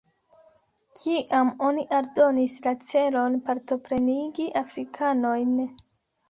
Kiam oni aldonis la celon partoprenigi afrikanojn?